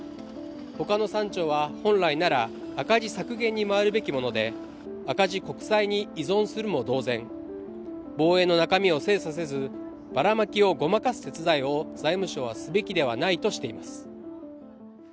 ほかの３兆は、本来なら赤字削減に回るべきもので、赤字国債に依存するも同然、防衛の中身を精査せず、ばらまきをごまかす手伝いを財務省はすべきではないとしています。